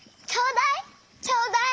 ちょうだい！